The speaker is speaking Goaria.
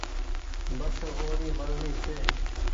بس اوري مرزي ڇي۔